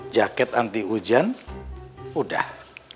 jaket anti hujan udah